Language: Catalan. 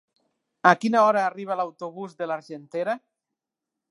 A quina hora arriba l'autobús de l'Argentera?